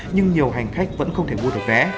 nhưng nhiều hành khách vẫn không thể mua được vé